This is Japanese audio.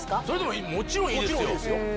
それでももちろんいいですよ